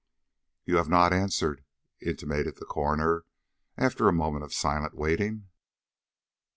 "You have not answered," intimated the coroner, after a moment of silent waiting.